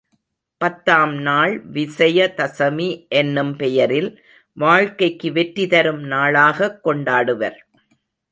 பத்தாம் நாள் விசய தசமி என்னும் பெயரில் வாழ்க்கைக்கு வெற்றி தரும் நாளாகக் கொண்டாடுவர்.